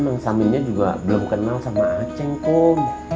mungkin saminnya juga belum kenal sama acing kum